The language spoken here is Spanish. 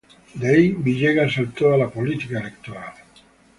De ahí Villegas saltó a la política electoral.